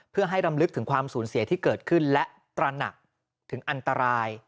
เพื่อให้รำลึกถึงความสูญเสียที่เกิดขึ้นและตระหนักถึงอันตราย